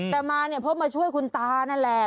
แต่มาเนี่ยเพราะมาช่วยคุณตานั่นแหละ